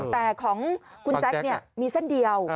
แต่ของคุณแจ็คเนี่ยมีเส้นเดียว